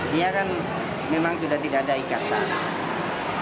dia kan memang sudah tidak ada ikatan